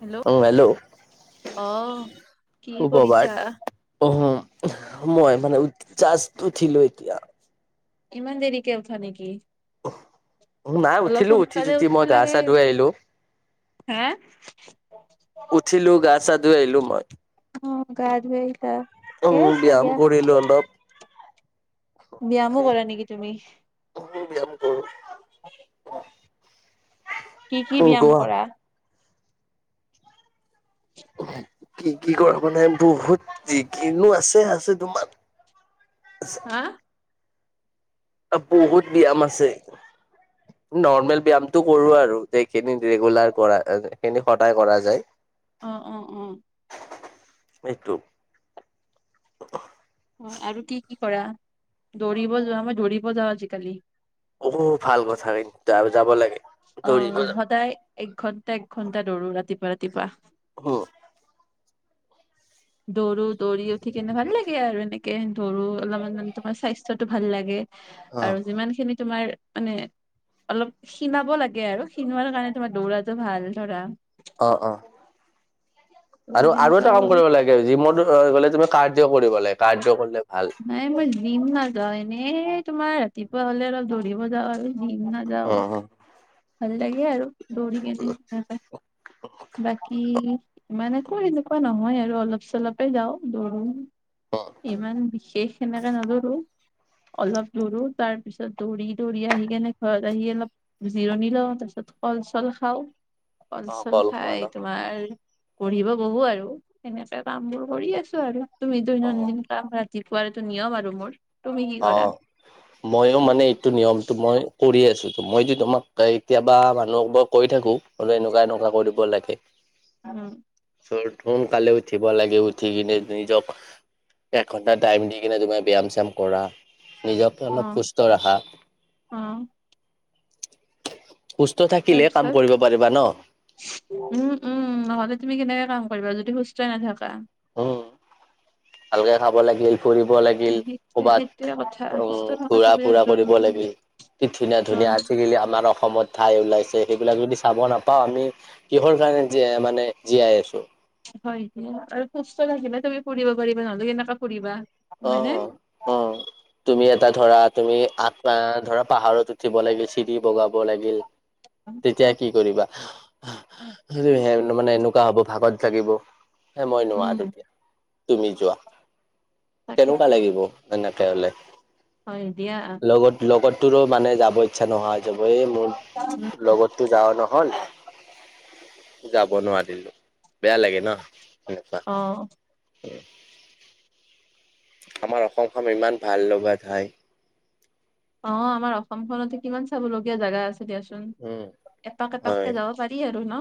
Hello? অহ কি কৰিছা? অহম, মই মানে উ জাষ্ট উঠিলো এতিয়া। ইমান দেৰিকে উঠা নেকি? নাই অলপ উঠিলো, উঠি - সোনকালে যুঠি মই উঠবা গা- লাগে চা ধুই আহিলো। হে! উঠিলো গা চা ধুই আহিলো মই অ গা ধুই আহিলা। ঠিকে উম, আছে ব্যায়াম দিয়া কৰিলো অলপ। ব্যায়ামো কৰা নেকি তুমি? অাম [inaudible] কৰো কি কি উ ব্যায়াম গোৱা কৰা? কি কি কৰাব নাই বহুত যিকিনো আছে - আছে তোমাৰ। হা! আ বহুত ব্যায়াম আছে। নৰ্মেল ব্যায়ামটো কৰো আৰু সেইখিনি ৰেগুলাৰ কৰা সেইখিনি সদায় কৰা যায়। অ অ অ। এইটো। হয় আৰু কি কি কৰা? দৌৰিব যোৱা মই দৌৰিব যাওঁ আজিকালি। অহ ভাল কথা [inaudible] যাব লাগে। অ দৌৰিব সদায় একঘণ্টা - একঘণ্টা দৌৰো ৰাতিপুৱা - ৰাতিপুৱা। হ দৌৰো, দৌৰি উঠি কেনে ভাল লাগে আৰু এনেকে দৌৰো অলপমান তোমাৰ স্বাস্থ্যটো ভাল লাগে। অ', আৰু যিমানখিনি তোমাৰ মানে অলপ ক্ষীনাব লাগে আৰু ক্ষীনোৱাৰ কাৰণে তোমাৰ দৌৰাটো ভাল ধৰা অ অ ত' আৰু আৰু সেনেকুৱা এটা কাম কৰো কৰিব লা গে জিমত গ'লে তুমি কাৰ্দ্য কৰিব লাগে, কাৰ্দ্য কৰিলে ভাল। নাই, মই জিম নাযাওঁ এনেই তোমাৰ ৰাতিপুৱা হলে অলপ দৌৰিব যাওঁ আৰু। জিম নাযাও। অ', ভাল লাগে আৰু দৌৰি কেনে বাকি মানেকো এনেকুৱা নহয় আৰু অলপ চলপে যাওঁ দৌৰো ইমান বিশেষ সেনেকে নদৌৰো অলপ দৰো তাৰ পিছত দৌৰি দৌৰি আহি কেনে ঘৰত আহি অলপ জিৰণি লওঁ তাৰপিছত কল চল খাওঁ কল অ', চল খোৱা ন খাই তোমাৰ পঢ়িব বহো আৰু সেনেকে কাম বোৰ কৰি আছো আৰু তুমি অ', দৈনন্দিন ৰাতিপুৱাৰ এইটো নিয়ম আৰু মোৰ তুমি কি অ কৰা মইও মানে এইটো নিয়মটো মই কৰি আছো মই যে তোমাক কেতিয়াবা মানুহবাক কৈ থাকোঁ হ'লেও এনেকুৱা এনেকুৱা কৰিব লাগে উম সোন কালে উঠিব লাগে উঠি কিনে নিৰজক একঘন্টা টাইম দি কিনে তোমাৰ ব্যায়াম চ্যায়াম কৰা নিজকে অ অলপ সুস্থ ৰাখা অ সুস্থ থাকিলে কাম তাৰপিছত কৰিব পাৰিবা ন উম উম নহ'লে তুমি কেনেকে কাম কৰিবা যদি সুস্থই নাথাকা উম ভালকে খাব লাগিল ফুৰিব লাগিল সেইটোৱে কবাত সেইটোৱে কথা উম সুস্থ থকাটো ঘূৰা বিৰাট ফুৰা কৰিব জৰুৰী মানে লাগিল কি ধুনীয়া ধুনীয়া হয় আজিকালি আমাৰ অসমত ঠাই ওলাইছে সেইবিলাক যদি চাব নাপাওঁ আমি কিহৰ কাৰণে জীয়াই মানে জীয়াই আছো হয় হয় আৰু সুস্থ থাকিলে তুমি ফুৰিব পাৰিবা নহলে কেনেকা ফুৰিবা অ হয়নে অ তুমি এটা ধৰা তুমি আতা ধৰা পাহাৰত উঠিব লাগিল চিৰি বগাব লাগিল তেতিয়া কি কৰিবা মানে এনেকুৱা হ'ব ভাগত লাগিব হে মই উম নোৱাৰিমে তুমি যোৱা কেনকা তাকেতো লাগিব এনেকে হলে হয় দিয়া লগততোৰ মানে যাব ইচ্ছা নোহোৱা হৈ যাব এই মোৰ উম লগত তোৰ যাৱ নহল যাব নোৱাৰিলো বেয়া লাগে ন এনুকা অ অ আমাৰ অসমখন ইমান ভাল লগা ঠাই অ আমাৰ অসমখনতে কিমান চাবলগীয়া জাগা আছে দিয়াচোন উম। এপাকক হয়। এপাককে যাব পাৰি আৰু ন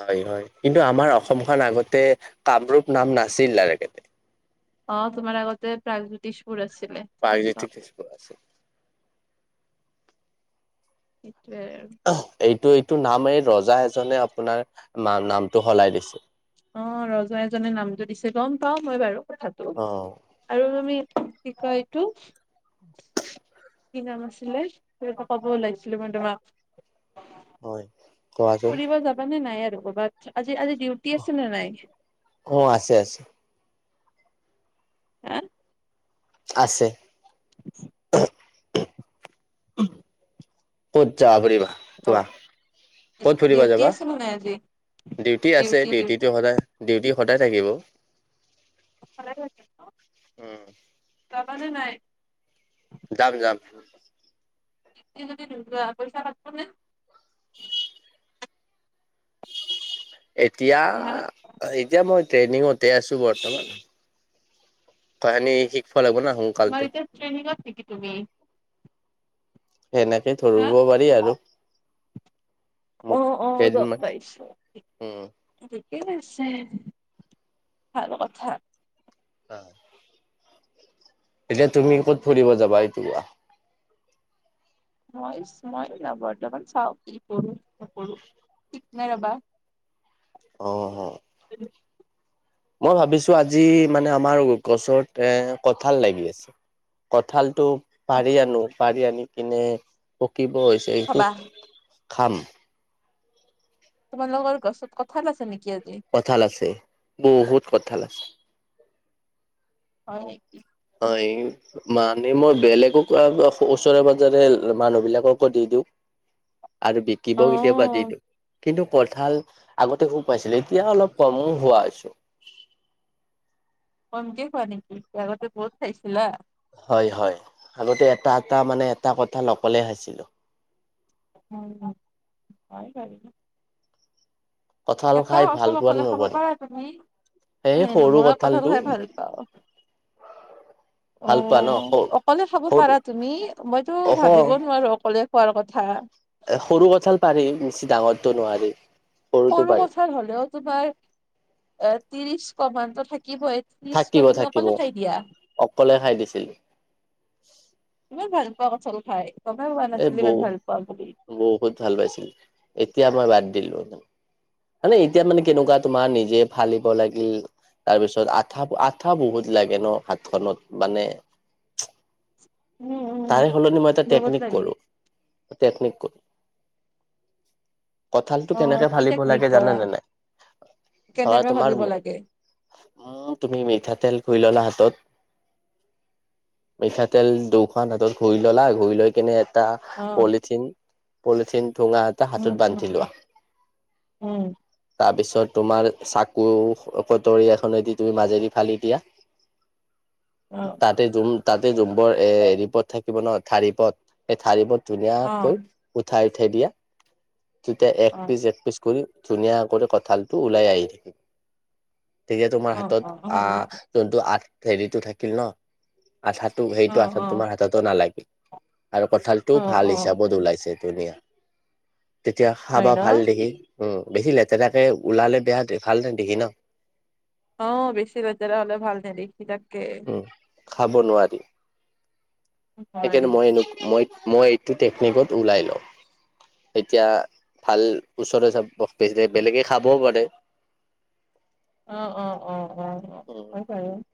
হয় হয় কিন্তু আমাৰ অসমখন আগতে কামৰূপ নাম নাছিল আৰু কেতে অ তোমাৰ আগতে প্ৰাগজ্যোতিষপুৰ আছিলে গম পাও প্ৰাগজ্যোতিষপুৰ আছিল এটোৱে এইটো এইটো নাম এই ৰজা এজনে আপোনাৰ নাম নামটো সলাই দিছিল অ ৰজা এজনে নামটো দিছে গম পাও মই বাৰু কথা অ আৰু আমি কি কয় এইটো কি নাম আছিলে হৈ পাপা কব লৈইছিলো মই তোমাক হয় কোৱাচোন ফুৰিব যাবা নে নাই আৰু কবাত আজি আজি ডিউটি আছে নে নাই অ আছে আছে হা। আছে। আছে। ক'ত যোৱা ফুৰিব? অ কোৱা ক'ত ফুৰিবা ডিউটি যাবা? আছে নে নাই আজি ডিউটি আছে, ডিউটিটো সদায়। ডিউটি সদায় থাকিব। ভালেই লাগিব, উম যাবা নে নাই? যাম যাম। ডিউটিলে নোযোৱা পইচা পাব নে? এতিয়া হা এতিয়া মই ট্ৰেইনিঙতে আছো বৰ্তমান। ত আমি শিকিব লাগিব ন। তোমাৰ এতিয়া ট্ৰেইনিংত নেকি তুমি? সেনেকে হা ধৰিব পাৰি আৰু। মোক অঁ অঁ গম কেইদিনমান পাইছো। উম ঠিকেই আছে, ভাল কথা। অ। এতিয়া তুমি ক'ত ফুৰিব যাবা এইটো কোৱা? মই মই ন বৰ্তমান চাওঁ কি কৰো, কি নকৰো। ঠিক নাই ৰ'বা। অঁ অঁ। উম। মই ভাবিছো আজি মানে আমাৰ গছত এ কঁঠাল লাগি আছে। কঁঠালটো- পাৰি আনো, পাৰি আনি কিনে পকিব হৈছে, সেইটো খাবা খাম। তোমালোকৰ গছত কঁঠাল আছে নেকি আজি? কঁঠাল আছে, বহুত কঁঠাল আছে। হয়। হয়, এই- মানে মই বেলেগক ওচৰে পাজৰে মানুহ বিলাককো দি দিওঁ। আৰু বি- কিব অ কেতিয়াবা দি দিওঁ। কিন্তু কঁঠাল আগতে খুব পাইছিলো এতিয়া অলপ কমো হোৱা হৈছো। কমকে খোৱা নেকি, আগতে বহুত খাইছিলা। হয় হয়, আগতে এটা এটা মানে এটা কঁঠাল অকলে খাইছিলোঁ। হয় অঁ, হয় বাৰু। কঁঠাল এটা খাই ভাল কঠাল অকলে পোৱানে খাব নোপোৱা? পাৰা তুমি এ হে সৰু মই কঠাল কঁঠালটো- খাই ভাল ভাল অঁ পোৱা ন সৰু অকলে খাব সৰু পাৰা তুমি, মইতো অহ ভাবিবও নোৱাৰো অকলে। খোৱাৰ কথা। সৰু কঁঠাল পাৰি, বেছি ডাঙৰটো নোৱাৰি। সৰুটো সৰু পাৰি। কঁঠাল হ'লেও তোমাৰ এ ত্ৰিশ মানটো থাকিবই। ত্ৰিশ থাকিব কোহ তুমি থাকিব অকলে খাই দিয়া। অকলে খাই দিছিলো ইমান ভাল পোৱা কঁঠাল খাই, গমে পোৱা এই নাছিলো বহু ইমান ভাল পোৱা বুলি। বহুত ভাল পাইছিলো‌, এতিয়া মই বাদ দিলো। মানে এতিয়া মানে কেনেকুৱা তোমাৰ নিজে ফালিব লাগে। তাৰপিছত আঠা আঠা বহুত লাগে ন হাতখনত মানে- উম তাৰে উম সলনি মই এটা বহুত টেকনিক লাগে কৰোঁ, টেকনিক কৰোঁ। [inaudible] কঁঠালতো অ কেনেকে কি ফালিব টেকনিক লাগে কৰা জানা নে নাই? ধৰা কেনেকে তোমাৰ ভালিব [unintelligible] লাগে উম [unintelligible] তুমি মিঠাতেল ঘঁহি ল'লা হাতত মিঠাতেল দুক [unintelligible] দুয়োখন হাতত ঘঁহি ললা, ঘঁহি লৈ কিনে এটা অ পলিথিন-পলিথিন ঠোঙা [unintelligible] [unintelligible] টা উম হাতত উম বান্ধি লোৱা। উম উম তাৰ পিছত তোমাৰ চাকু কটৰি এখনে দি তুমি মাজেদি ফালি দিয়া। [unintelligible] অ তাতে জুম তাতে জুমবৰ এ হেৰি পদ থাকিব ন, ঠাৰি পদ? [unintelligible] এই ঠাৰি পদ অ ধুনীয়াকৈ উঠাই-উঠাই দিয়া তেতিয়া এক অ পিচ, এক পিচ [unintelligible] কৰি ধুনীয়া কৰি কঁঠালটো ওলাই আহি থাকি। [inaudible] তেতিয়া তোমাৰ অ হাতত অ হয় আহ নেকি? [unintelligible] যোনটো আঠ [unintelligible] হেৰিটো থাকিল ন আঠাটো অ সেইটো আঠা অ হাততো নালাগিল আৰু কঁঠালটো অ ভাল অ হিচাপত ওলাইছে ধুনীয়া। [inaudible] তেতিয়া হয় খাবা ন ভাল দেখি, উম! বেছি লেতেৰাকে ওলালে বেয়া দে ভাল নেদেখি ন। [unintelligible] অঁ! বেছি লেতেৰা হ'লে ভাল নাই দেখি তাকে। [inaudible] উম! খাব নোৱাৰি। [unintelligible] সেইকাৰণে নোৱাৰি মই [inaudible] মই-মই এইটো টেকনিকত ওলাই লওঁ। ‌ এতিয়া ভাল ওচৰে [unintelligible] বেলেগে খাবও পাৰে। [unintelligible] অঁ-অঁ-অঁ-অঁ-অঁ, উম হয় বাৰু। [unintelligible]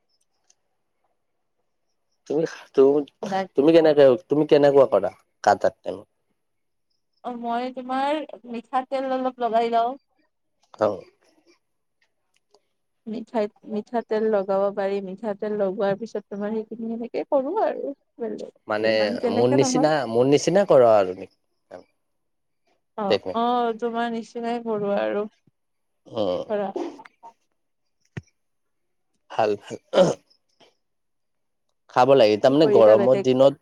বাক [unintelligible] তুমি কেনেকে তুমি কেনেকুৱা পালা কাটা [unintelligible] অঁ! মই তোমাৰ মিঠাতেল অলপ লগাই লওঁ। [unintelligible] আৰু [unintelligible] মিঠাইত [unintelligible] মিঠাতেল লগাব পাৰি, মিঠাতেল লগোৱাৰ পিছত তোমাৰ সেইখিনি এনেকে কৰো আৰু। [inaudible] মানে ইমান মোৰ তেনেকে নহয় নিচিনা, মোৰ নিচিনা কৰ আৰু নেকি [unintelligible] অঁ-অঁ! তোমাৰ নিচিনাই কৰোঁ আৰু। [unintelligible] অঁ [unintelligible] পৰা [unintelligible] ভাল [unintelligible] খাব লাগে। কি তাৰমানে কৰিবা গৰমৰ বেলেগ দিনত,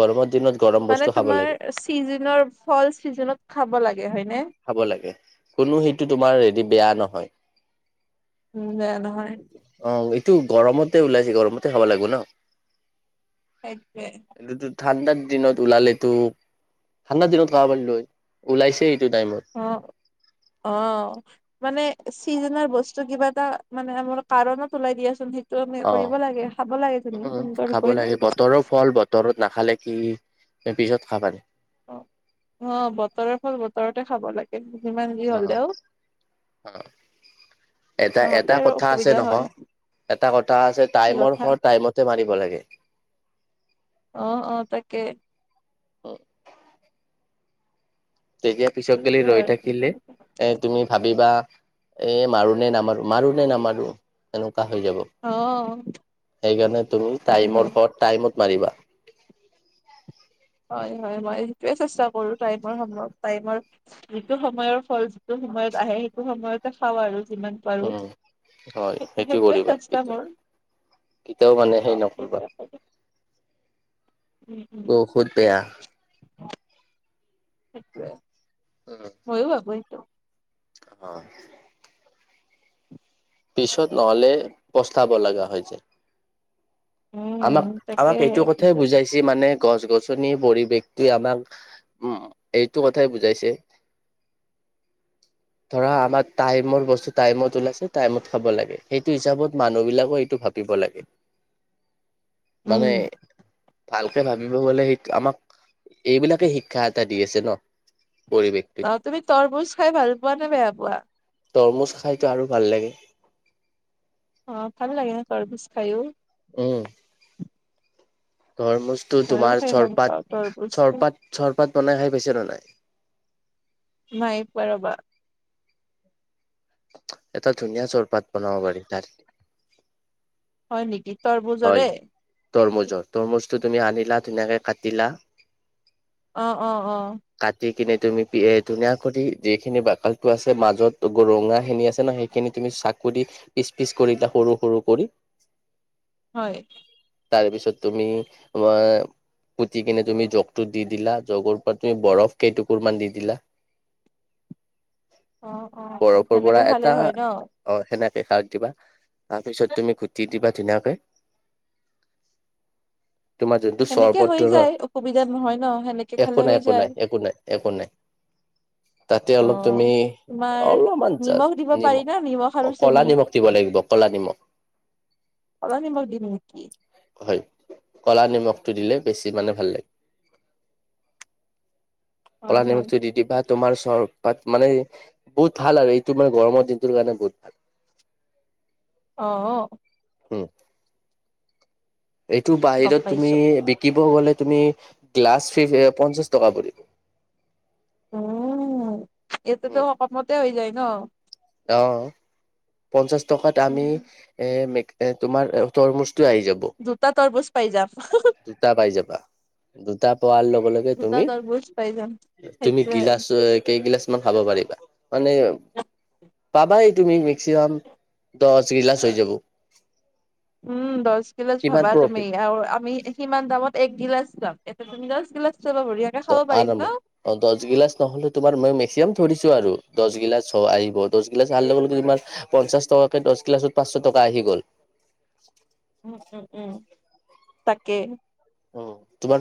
গৰমৰ দিনত [unintelligible] মানে খাব তোমাৰ লাগে চিজনৰ ফল, চিজনত খাব লাগে হয়নে? [unintelligible] খাব লাগে, কোনো সেইটো তোমাৰ হেৰি বেয়া নহয়। [inaudible] উম! বেয়া নহয়। ‌ [unintelligible] অঁ! এইটো গৰমতে ওলাইছে, গৰমতে খাব লাগিব ন। [unintelligible] সেইটোৱেই [unintelligible] [unintelligible] ঠাণ্ডাৰ দিনত ওলালেতো ঠাণ্ডা দিনত খাব পাৰিলোঁ হয়। ওলাইছে এইটো টাইমত। [unintelligible] অঁ! [inaudible] অঁ! [unintelligible] মানে চিজনৰ বস্তু কিবা এটা মানে আমাৰ কাৰণত ওলাই দিয়া চোন [unintelligible] [unintelligible] অ কৰিব লাগে, খাব লাগে, [unintelligible] সুন্দৰকৈ ন। দৰত নাখালে কি পিছত খাব পালে [unintelligible] [unintelligible] অঁ! বতৰৰ ফল বতৰতে খাব লাগে। [unintelligible] যিমান যি অ', হ'লেও। নহ'লে এটা-এটা আৰু কথা আছে অসুবিধা হয় নহয়, এটা কথা আছে কি টাইমৰ কথা হৰ টাইমত [unintelligible] [unintelligible] মাৰিব লাগে। অ অ তাকে, উম, তেতিয়া পিছত কেলে সেইটোৱে ৰৈ আৰু কি থাকিলে। কম। এই তুমি ভাবিবা এই মাৰোঁনে নামাৰোঁ মাৰোঁনে নামাৰোঁ তেনেকুৱা হৈ যাব। অ', সেইকাৰণে তুমি হয়, হয়, টাইমৰ হৰ টাইমত মাৰিবা। হয় হয় মই সেইটোৱে চেষ্টা কৰো টাইমৰ সময়ত টাইমৰ, যিটো সময়ৰ ফল যিটো সময়ত আহে সেইটো সময়তে খাওঁ আৰু যিমান। বাৰু উম, হয় সেইটো সেইটোৱে কৰিবা চেষ্টা কেতিয়াও কৰ। কেতিয়াও মানে হেৰি নকৰিবা। উম উম, বহুত বেয়া। হেতোৱে, উম ময়ো আৱয়তক, অ, পিছত নহ'লে প্ৰস্তাব লগা হৈ যায়। আমাক উম, তাকে আমাক এইটো কথাই পিছত বুজাইছে মানে গছ গছনিৰ পৰিৱেশটোৱে আমাক। উম এইটো কথাই বুজাইছে। ধৰা আমাৰ টাইমৰ বস্তু টাইমত ওলাইছে। টাইমত খাব লাগে সেইটো হিচাপত মানুহ বিলাকো এইটো ভাবিব লাগে। উম, মানে, ভালকে ভাবিব গলে সেইটো আমাক এইবিলাকে শিক্ষা এটা দি আছে ন পৰিৱেশ। অ তুমি তৰমুজ খাই ভাল পোৱা নে বেয়া পোৱা। তৰমুজ খাইতো আৰু ভাল লাগে। অ ভাল লাগে ন তৰমুজ খাইয়ো। উম, তৰমুজটো ময়ো তোমাৰ খাই ভাল পাওঁ চৰপত, তৰমুজ চৰপত, চৰপত বনাই খাই পাইছে নে নাই। নাই পোৱা ৰবা। এটা ধুনীয়া চৰপাত বনাব পাৰি তাত, হয় নেকি হয় তৰমূজৰে। তৰমুজৰ, তৰমুজটো তুমি আনিলা ধুনীয়াকে কাটিলা। অঁ অঁ অঁ, কাটি কিনে তুমি এ ধুনীয়া কৰি যিখিনি বাকলিটো আছে মাজত ৰঙা খিনি আছে ন সেই, খিনি তুমি চাকু দি পিচ পিচ কৰিদিয়া সৰু সৰু কৰি, হয়। তাৰ পিছত তুমি [unintelligible] কুতি কিনে তুমি জগতটো দি দিলা জগৰ পৰা তুমি বৰফ কেইটুকুৰ মান দি দিলা। [inaudible] অ অ অ বৰফৰ পৰা সেনেকে এটা খালেই হয় ন। অ সেনেকে খাই দিবা তাৰপিছত তুমি গুটি দিবা ধুনীয়াকে। তোমাৰ যোনটো সেনেকে হৈ চৰ্বতটো ন যায় অসুবিধা নহয় ন সেনেকে খালে একো নাই হৈ একো যায় নাই একো নাই একো নাই, [inaudible] তাতে অ অলপ তুমি তোমাৰ অলপমান নিমখ দিব পাৰি না আৰু নিমখ চেনি কলা নিমখ দিব লাগিব কলা নিমখ, কলানিমখ দিম নেকি। হয় ক'লা নিমখটো দিলে বেছি মানে ভাল লাগে। হয় কলা হয় নিমখটো দি দিবা তাত, তোমাৰ চৰবত মানে বহুত ভাল আৰু এইটো মানে গৰমৰ দিনটোৰ কাৰণে বহুত ভাল। অঁ অঁ। উম, এইটো গম বাহিৰত তুমি পাইছো বি কিব গ'লে তুমি গ্লাছ ফিছ পঞ্চাশ টকা পৰিব। উমম, এইটো ত' অসমতে হৈ যায় ন? অঁহহ, পঞ্চাশ টকাত আমি এ মে এ তোমাৰ তৰমুজটো আহি যাব। দুটা‌ তৰমুজ পাই যাম। দুটা পাই যাবা, দুটা পোৱা লগে ল গে দুটা তুমি, তৰবুজ পাই যাম তুমি সেইটোৱে গিলাচ কেইগিলাচ মান খাব পাৰিবা মানে পাবাই তুমি, মেক্সিমাম দহ গিলাচ হৈ যাব। উম দহ গিলাছ কিমান ভাবা প্ৰফিট তুমি আৰু আমি ইমান দামত এক গিলাচ পাম, এয়াতে তুমি দছ গিলাচ পাবা বঢ়িয়াকে ত' খাব পাৰিম ন [unintelligible] অ দহ গিলাছ নহলো তোমাৰ মই মেক্সিমান ধৰিছো আৰু দহ গিলাছ আহিব। দছ গিলাছ অহা লগে লগে তোমাৰ, পঞ্চাশ টকাকে দহ গিলাচত পাঁচশ টকা আহি গ'ল। উম উম উম তাকে। উম, তোমাৰ